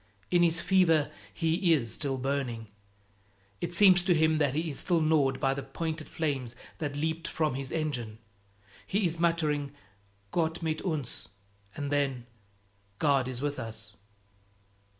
In his fever he is still burning; it seems to him that he is still gnawed by the pointed flames that leaped from his engine. He is muttering, "Gott mit uns!" and then, "God is with us!"